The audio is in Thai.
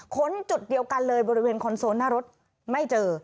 ค้นจุดเดียวกันเลยบริเวณคอนโซลหน้ารถไม่เจอ